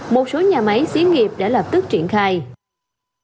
một số nhà máy xí nghiệp đã lập tức triển khai